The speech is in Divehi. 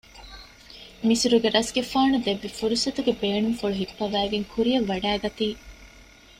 މިސުރުގެ ރަސްގެފާނު ދެއްވި ފުރުސަތުގެ ބޭނުންފުޅު ހިއްޕަވައިގެން ކުރިއަށް ވަޑައިގަތީ